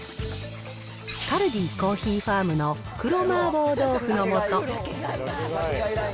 カルディコーヒーファームの黒麻婆豆腐の素。